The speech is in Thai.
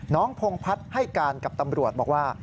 พงพัฒน์ให้การกับตำรวจบอกว่า